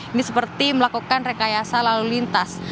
ini seperti melakukan rekayasa lalu lintas